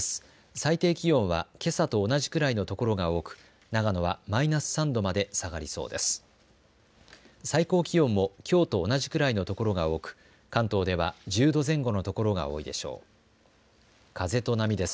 最低気温はけさと同じくらいの所が多く長野はマイナス３度まで下がりそうです。